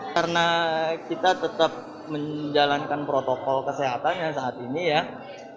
karena kita tetap menjalankan protokol kesehatan saat ini ya tetap ada hand sanitizer hand soap cuci tangan